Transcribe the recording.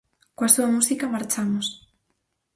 Coa súa música, marchamos.